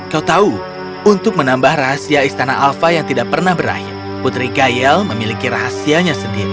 kau tahu untuk menambah rahasia istana alfa yang tidak pernah berakhir putri gayel memiliki rahasianya sendiri